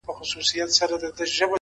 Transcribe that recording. د زړه پاکوالی اړیکې ژوروي!.